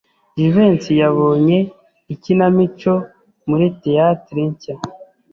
Jivency yabonye ikinamico muri theatre nshya.